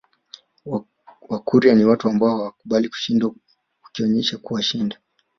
Wakurya ni watu ambao hawakubali kushindwa ukionesha kuwashinda